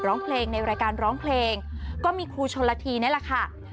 ร้องเพลงในรายการร้องเพลงก็มีครูชนละทีนี่แหละค่ะ